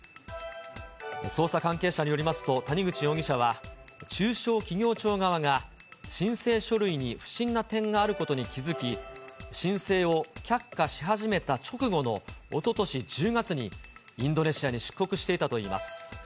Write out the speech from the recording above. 捜査関係者によりますと、谷口容疑者は中小企業庁側が申請書類に不審な点があることに気付き、申請を却下し始めた直後のおととし１０月に、インドネシアに出国していたといいます。